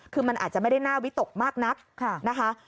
คือมันอาจจะไม่ได้น่าวิตกมากนักนะคะ